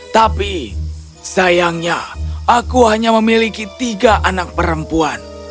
tapi sayangnya aku hanya memiliki tiga anak perempuan